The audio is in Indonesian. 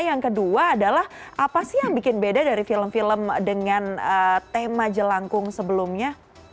yang kedua adalah apa sih yang bikin beda dari film film dengan tema jelangkung sebelumnya